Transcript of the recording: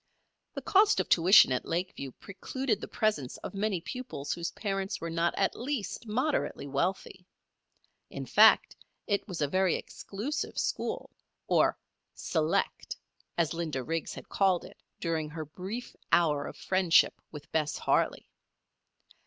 The cost of tuition at Lakeview precluded the presence of many pupils whose parents were not at least moderately wealthy. In fact, it was a very exclusive school, or "select" as Linda Riggs had called it during her brief hour of friendship with Bess Harley.